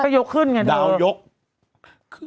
ยกยาวยก